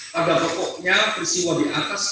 pada pokoknya peristiwa di atas